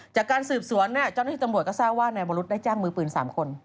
จากการสืบสวนจ้อน้องที่ตำรวจก็ทราบว่าบริษัทได้จ้างมือปืน๓คน